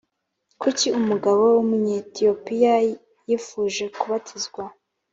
kuki umugabo w’umunyetiyopiya yifuje kubatizwa?